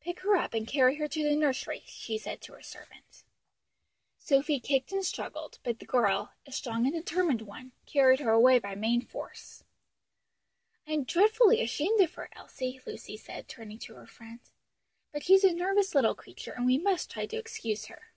"Pick her up and carry her to the nursery," she said to a servant. Sophie kicked and struggled, but the girl, a strong and determined one carried her away by main force. "I'm dreadfully ashamed of her, Elsie," Lucy said, turning to her friend; "but she's a nervous little creature and we must try to excuse her."